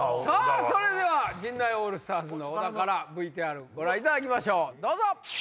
それでは陣内オールスターズの小田からＶＴＲご覧いただきましょうどうぞ。